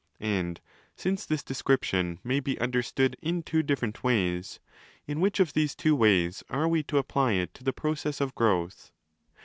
And since this description may be understood in two different: ways, in which of these two ways are we to apply it to the process of growth?